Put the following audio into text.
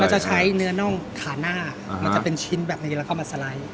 จะใช้เนื้อน่องขาหน้ามันจะเป็นชิ้นแบบนี้แล้วก็มาสไลด์